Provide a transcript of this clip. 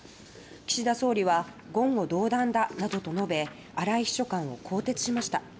岸田総理は言語道断だなどと述べ荒井秘書官を更迭しました。